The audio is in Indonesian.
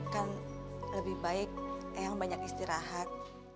kan lebih baik eyang banyak istirahat